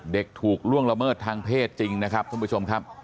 ถูกล่วงละเมิดทางเพศจริงนะครับท่านผู้ชมครับ